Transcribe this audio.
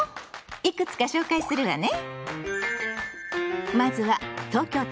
いくつか紹介するわね。